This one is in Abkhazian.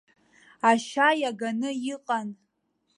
Ашьа иаганы иҟан.